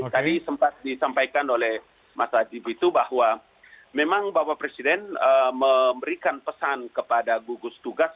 tadi sempat disampaikan oleh mas adib itu bahwa memang bapak presiden memberikan pesan kepada gugus tugas